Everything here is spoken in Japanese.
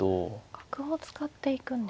角を使っていくんですか。